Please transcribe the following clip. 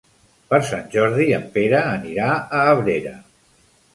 Per Sant Jordi en Pere anirà a Abrera.